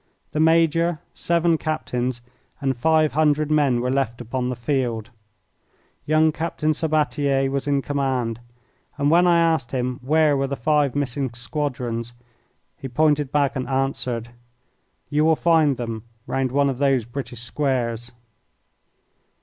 The major, seven captains, and five hundred men were left upon the field. Young Captain Sabbatier was in command, and when I asked him where were the five missing squadrons he pointed back and answered: "You will find them round one of those British squares."